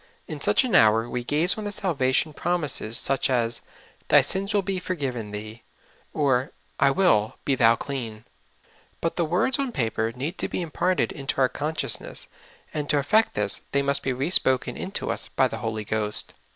In such an hour we gaze on the salvation promises, such as, "Thy sins will be forgiven thee," or, " I will, be thou clean ;'' but the words on paper need to be im parted into our consciousness, and to effect this, they must be re spoken into us by the Holy Ghost.